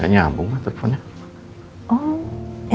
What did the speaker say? gak nyambung mah teleponnya